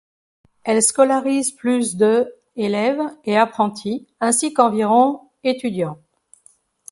Elle scolarise plus de élèves et apprentis ainsi qu'environ étudiants.